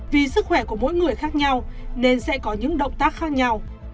vì sức khỏe của mỗi người khác nhau nên sẽ có những động tác khác nhau